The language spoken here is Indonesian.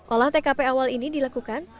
olah tkp awal ini dilakukan